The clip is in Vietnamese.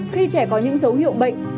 khi trẻ có những dấu hiệu bệnh